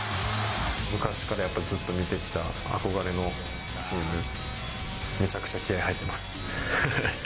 昔からやっぱりずっと見てきた憧れのチーム、めちゃくちゃ気合い入ってます。